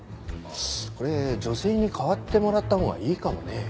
これ女性に代わってもらったほうがいいかもね。